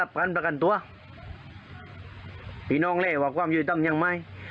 ลับกันประกันตัวพี่น้องเล่วว่าความยืดต้องยังไม่